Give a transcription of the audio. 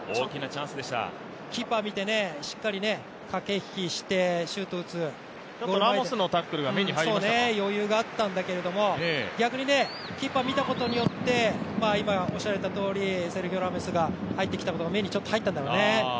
キーパー見てしっかり駆け引きしてシュートを打つ余裕があったんだけど、逆にキーパー見たことによってセルヒオ・ラモスが入ってきたことが目に入ったんだろうね。